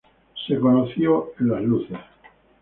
Se conoció en las Luces.